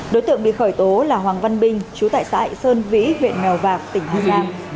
đối tượng bị khởi tố là hoàng văn minh chú tại xã hạnh sơn vĩ huyện mèo vạc tỉnh hà giang